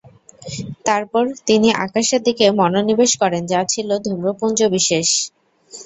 তারপর তিনি আকাশের দিকে মনোনিবেশ করেন যা ছিল ধূম্রপুঞ্জ বিশেষ।